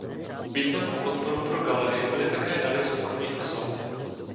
Významnou podporou pro galerii byly také dary soukromých osob.